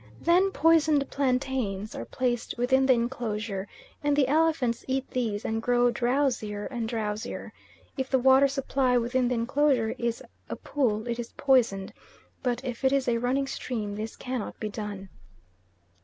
Then poisoned plantains are placed within the enclosure, and the elephants eat these and grow drowsier and drowsier; if the water supply within the enclosure is a pool it is poisoned, but if it is a running stream this cannot be done.